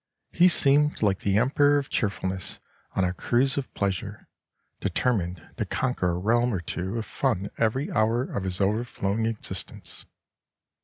He seemed like the Emperor of Cheerfulness on a cruise of pleasure, determined to conquer a realm or two of fun every hour of his overflowing existence.